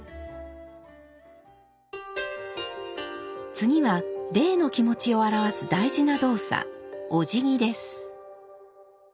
次は礼の気持ちを表す大事な動作おじぎです。